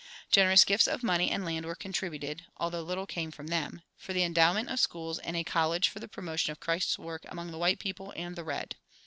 Generous gifts of money and land were contributed (although little came from them) for the endowment of schools and a college for the promotion of Christ's work among the white people and the red.